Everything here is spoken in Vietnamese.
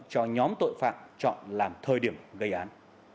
cho nhóm tội phạm chọn làm thời điểm gây án